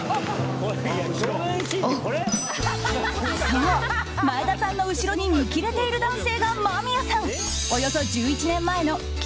［そう前田さんの後ろに見切れている男性が］これ？